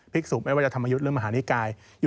ภิกษุไม่ว่าจะทำมายุทธ์เรื่องมหานิกาย